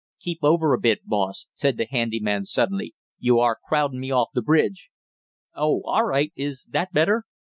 "Keep over a bit, boss!" said the handy man suddenly. "You are crowding me off the bridge!" "Oh, all right; is that better?"